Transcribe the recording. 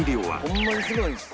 ホンマにすごいです。